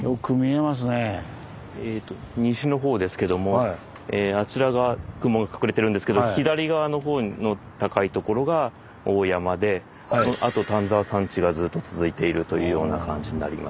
えと西のほうですけどもあちら側雲が隠れてるんですけど左側のほうの高いところが大山でそのあと丹沢山地がずっと続いているというような感じになりますね。